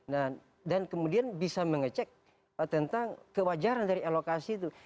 nah dan kemudian bisa mengecek tentang kewajaran dari alokasi itu